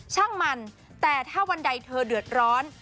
ช่างมันแต่ถ้าวันใดเธอเดือดร้อน